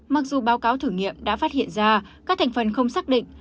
mặc dù báo cáo thử nghiệm đã phát hiện ra các thành phần không xác định